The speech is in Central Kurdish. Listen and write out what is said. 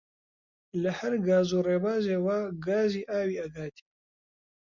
لە هەر گاز و ڕێبازێ وا گازی ئاوی ئەگاتێ